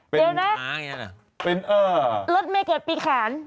เป็นเป็นเออรถเมียเกิดปีขาน